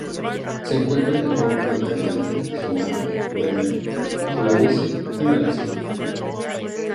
Se encuentra en el Golfo de Tailandia, Sumatra, Borneo, Sulawesi y Malasia.